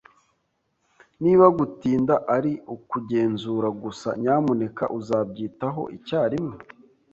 Niba gutinda ari ukugenzura gusa, nyamuneka uzabyitaho icyarimwe?